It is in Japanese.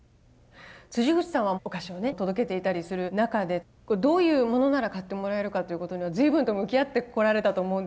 口さんはお菓子をね届けていたりする中でどういうものなら買ってもらえるかということには随分と向き合ってこられたと思うんです。